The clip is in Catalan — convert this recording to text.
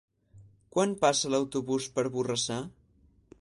Quan passa l'autobús per Borrassà?